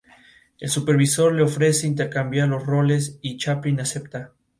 El supervisor le ofrece intercambiar los roles y Chaplin acepta.